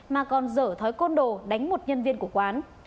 mà còn dở thói côn đồ đánh một nhân viên của quán